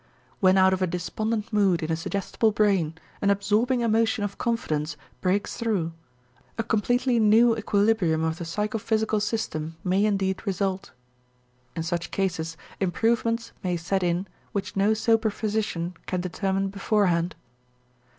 When out of a despondent mood in a suggestible brain an absorbing emotion of confidence breaks through, a completely new equilibrium of the psychophysical system may indeed result. In such cases, improvements may set in which no sober physician can determine beforehand.